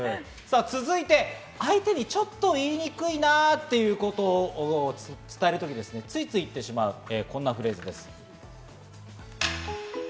続いて、相手にちょっと言いにくいなということを伝える時、ついつい言ってしまうこんなフレーズです。